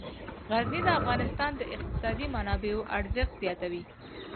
غزني د افغانستان د اقتصادي منابعو ارزښت زیاتوي.